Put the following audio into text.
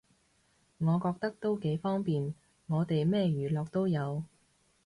我覺得都幾方便，我哋咩娛樂都有